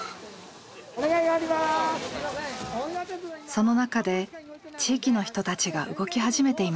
その中で地域の人たちが動き始めていました。